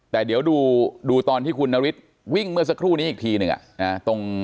แต่เดี๋ยวดูตอนที่คุณนฤทธิ์วิ่งเมื่อสักครู่นี้อีกทีหนึ่ง